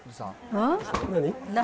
何？